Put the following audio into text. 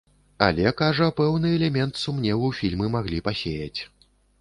Але, кажа, пэўны элемент сумневу фільмы маглі пасеяць.